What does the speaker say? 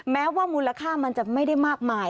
แม้ว่ามูลค่ามันจะไม่ได้มากมาย